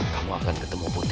kamu akan ketemu putri